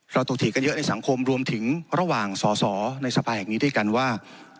ถกเถียงกันเยอะในสังคมรวมถึงระหว่างสอสอในสภาแห่งนี้ด้วยกันว่า